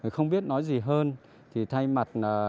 không biết nói gì hơn thì thay mặt